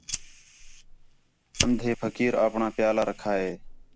اندھر پھقیر اپݨاں پیالہ رکھا ہِے